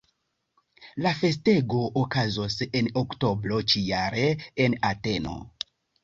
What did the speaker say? La festego okazos en oktobro ĉi-jare en Ateno.